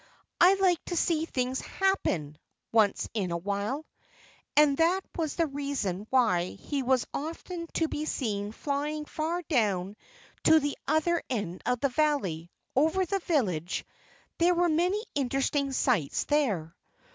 "I like to see things happen, once in a while." And that was the reason why he was often to be seen flying far down to the other end of the valley, over the village. There were many interesting sights there.